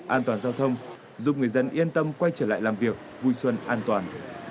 an toàn giao thông giúp người dân yên tâm quay trở lại làm việc vui xuân an toàn